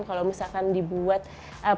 kalau misalkan di buka kita bisa lihat di atas